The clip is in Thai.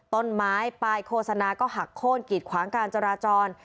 ต้นไม้ปลายโฆษณาก็หักโค้นกิดขวางการจราจร